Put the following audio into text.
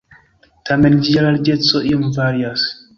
Tamen ĝia larĝeco iom varias.